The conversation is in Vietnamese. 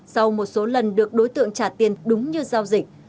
sau một số lần được đối tượng trả tiền đúng như giao dịch